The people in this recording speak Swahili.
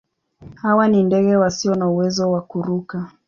Hawa ni ndege wasio na uwezo wa kuruka.